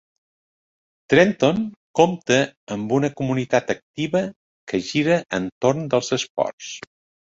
Trenton compta amb una comunitat activa que gira entorn dels esports.